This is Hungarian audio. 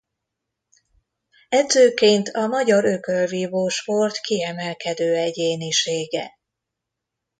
Edzőként a magyar ökölvívó sport kiemelkedő egyénisége.